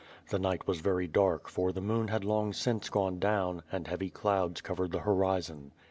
The night was very dark for the moon had long since gone down and heavy clouds covered the horizon.